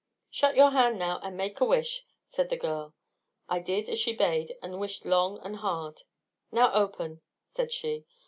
"Shut your hand now, and make a wish," said the girl. I did as she bade, and wished long and hard. "Now open," said she.